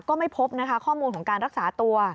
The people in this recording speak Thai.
ก็ไม่พบนะคะข้อมูลของการรักษาตัว